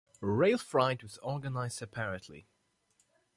Railfreight was organised separately.